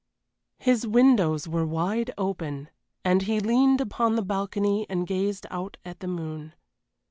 His windows were wide open, and he leaned upon the balcony and gazed out at the moon.